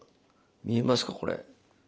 見えますかこれ。